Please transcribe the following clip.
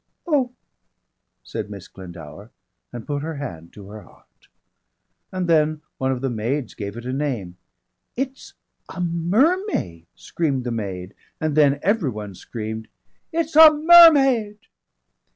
"Oh!" said Miss Glendower, and put her hand to her heart. And then one of the maids gave it a name. "It's a mermaid!" screamed the maid, and then everyone screamed, "It's a mermaid."